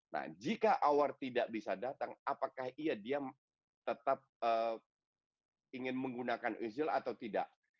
nah jika hour tidak bisa datang apakah iya dia tetap ingin menggunakan uzil atau tidak